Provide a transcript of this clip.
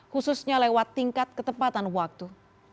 khususnya lewat tingkat ketepatan waktu